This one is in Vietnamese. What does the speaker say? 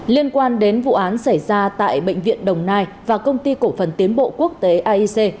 liên quan đến vụ án xảy ra tại bệnh viện đồng nai và công ty cổ phần tiến bộ quốc tế aic